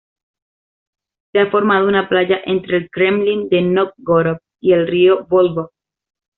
Se ha formado una playa entre el Kremlin de Nóvgorod y el río Vóljov.